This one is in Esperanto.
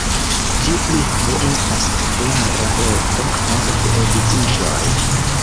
Ĝi ankaŭ estas populara loko por geedziĝoj.